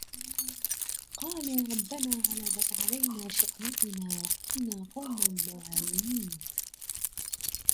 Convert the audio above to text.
قَالُوا رَبَّنَا غَلَبَتْ عَلَيْنَا شِقْوَتُنَا وَكُنَّا قَوْمًا ضَالِّينَ